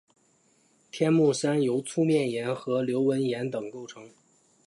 天目山由粗面岩和流纹岩等构成。